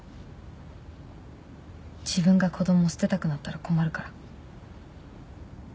自分が子供捨てたくなったら困るから。